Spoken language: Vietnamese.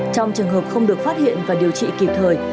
trong trường hợp không được phát hiện và điều trị kịp thời